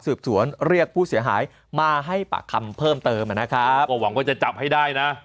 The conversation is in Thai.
สวนเรียกผู้เสียหายมาให้ปากคำเพิ่มเติมนะครับก็หวังว่าจะจับให้ได้นะ